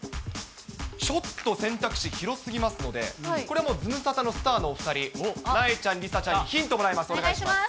ちょっと選択肢広すぎますので、これはもうズムサタのスタートお２人、なえちゃん、梨紗ちゃんにヒントもらいます、お願いします。